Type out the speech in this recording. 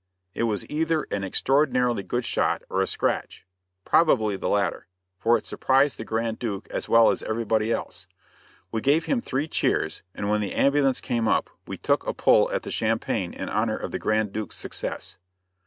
It was either an extraordinary good shot or a "scratch" probably the latter, for it surprised the Grand Duke as well as everybody else. We gave him three cheers, and when the ambulance came up we took a pull at the champagne in honor of the Grand Duke's success.